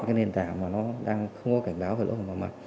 cái nền tảng mà nó đang không có cảnh báo về lỗ hỏng bảo mật